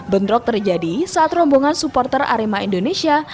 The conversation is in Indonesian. bentrok terjadi saat rombongan supporter arema indonesia